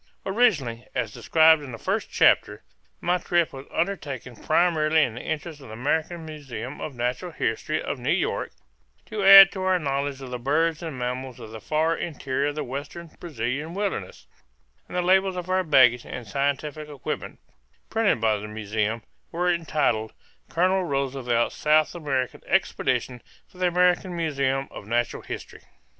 Originally, as described in the first chapter, my trip was undertaken primarily in the interest of the American Museum of Natural History of New York, to add to our knowledge of the birds and mammals of the far interior of the western Brazilian wilderness; and the labels of our baggage and scientific equipment, printed by the museum, were entitled "Colonel Roosevelt's South American Expedition for the American Museum of Natural History."